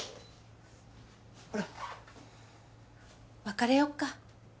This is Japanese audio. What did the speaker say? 別れよっか。